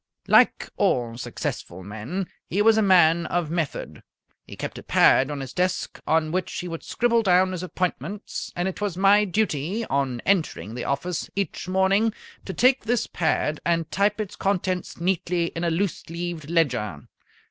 Like all successful men, he was a man of method. He kept a pad on his desk on which he would scribble down his appointments, and it was my duty on entering the office each morning to take this pad and type its contents neatly in a loose leaved ledger.